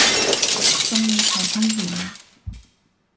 仲未頭痛完啊？